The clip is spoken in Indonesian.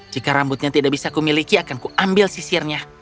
jika rambutnya tidak bisa kumiliki akan kuambil sisirnya